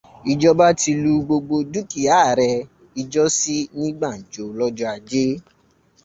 Ìjọba ti lu gbogbo dúkìá ààrẹ ìjọ́sí ní gbàǹjo lọ́jọ́ Ajé.